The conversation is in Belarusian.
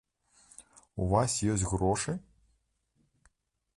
У вас ёсць грошы??